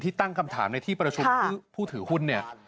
ที่ตั้งคำถามในที่ประชุมผู้ถือหุ้น